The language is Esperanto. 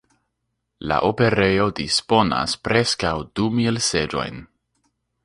La operejo disponas preskaŭ du mil seĝojn.